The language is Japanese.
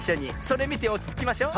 それみておちつきましょ。